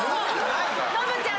ノブちゃん